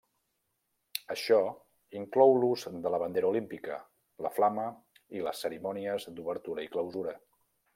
Això inclou l'ús de la bandera Olímpica, la flama, i les cerimònies d'obertura i clausura.